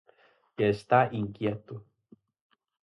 Que está inquieto.